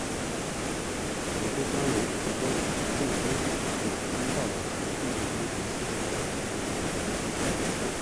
指挥官为福州绥靖公署主任朱绍良和第六兵团司令李延年。